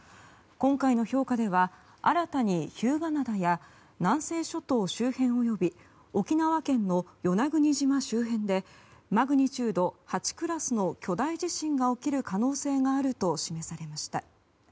今回の評価では、新たに日向灘や南西諸島周辺および沖縄県の与那国島周辺でマグニチュード８クラスの巨大地震が起きる可能性があると示されました。